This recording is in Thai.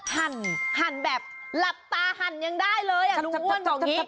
หั่นแบบหลับตาหั่นยังได้เลยอ่ะลุงอ้วนบอกอย่างนี้